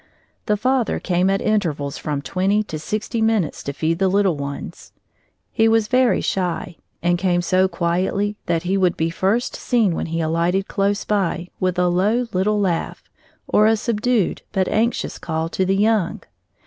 The father came at intervals of from twenty to sixty minutes to feed the little ones. He was very shy, and came so quietly that he would be first seen when he alighted close by with a low little laugh or a subdued but anxious call to the young.